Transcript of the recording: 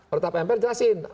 orang tahap mpr jelasin